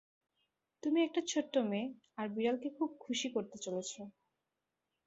তুমি একটা ছোট্ট মেয়ে আর বিড়ালকে খুব খুশি করতে চলেছ।